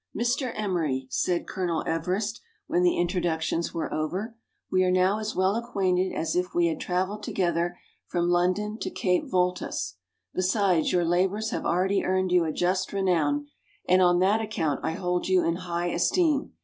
2^ " Mr. Emery," said Colonel Everest, when the introduc tions were over, " we are now as well acquainted as if we had travelled together from London to Cape Voltas. Be sides, your labours have already earned you a just renown, and on that account I hold you in high esteem.